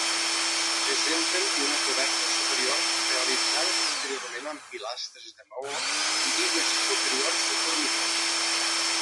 Presenten una coberta superior, realitzada posteriorment amb pilastres de maó i bigues superiors de formigó.